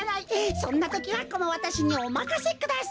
そんなときはこのわたしにおまかせください。